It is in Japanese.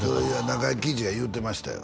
中井貴一が言うてましたよ